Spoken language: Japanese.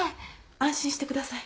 安心してください。